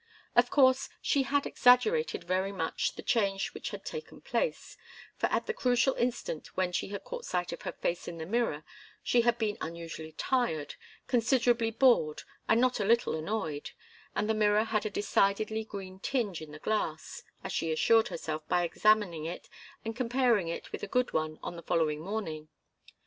Of course, she had exaggerated very much the change which had taken place, for at the crucial instant when she had caught sight of her face in the mirror she had been unusually tired, considerably bored and not a little annoyed and the mirror had a decidedly green tinge in the glass, as she assured herself by examining it and comparing it with a good one on the following morning.